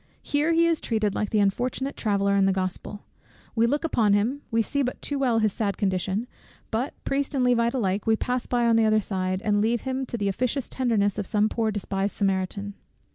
Here he is treated like the unfortunate traveller in the Gospel; we look upon him; we see but too well his sad condition, but (Priest and Levite alike) we pass by on the other side, and leave him to the officious tenderness of some poor despised Samaritan.